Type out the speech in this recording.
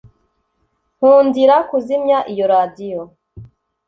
Nkundira kuzimya iyo radio